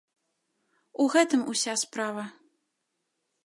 У гэтым уся справа.